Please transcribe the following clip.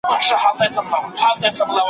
که موضوع سمه وي نو هر څوک ورته پام کوي.